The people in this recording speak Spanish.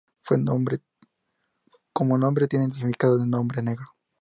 Como nombre tiene el significado de "hombre negro".